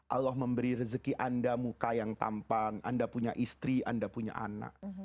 allah memberi rezeki anda muka yang tampang anda punya istri anda punya anak